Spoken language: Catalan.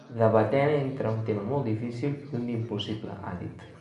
Debatem entre un tema molt difícil i un d’impossible, ha dit.